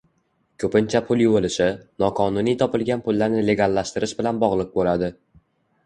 Ko‘pincha pul yuvilishi, noqonuniy topilgan pullarni legallashtirish bilan bog‘liq bo‘ladi.